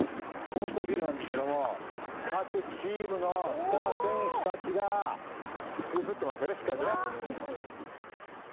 高層ビルなんですけども、各チームのスター選手たちが映ってますよね、しっかりとね。